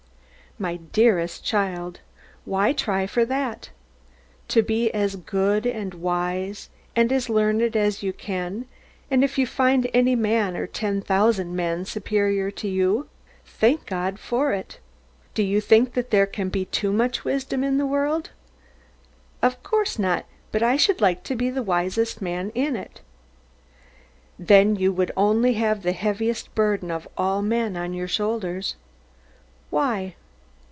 My dearest child, why try for that? Try to be as good, and wise, and learned as you can, and if you find any man, or ten thousand men, superior to you, thank God for it. Do you think that there can be too much wisdom in the world? Of course not: but I should like to be the wisest man in it. Then you would only have the heaviest burden of all men on your shoulders. Why?